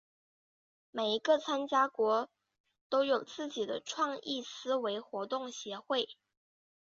每一个参加国都有自己的创意思维活动协会。